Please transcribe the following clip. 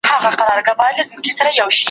پخوانیو زمانو کي یو دهقان وو